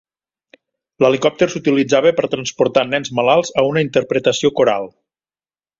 L'helicòpter s'utilitzava per a transportar nens malalts a una interpretació coral.